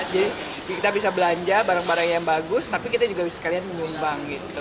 jadi kita bisa belanja barang barang yang bagus tapi kita juga bisa sekalian menyumbang